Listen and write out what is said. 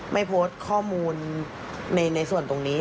ไม่โพสต์ข้อมูลในส่วนตรงนี้